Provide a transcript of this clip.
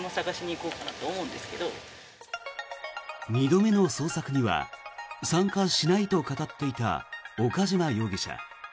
２度目の捜索には参加しないと語っていた岡島容疑者。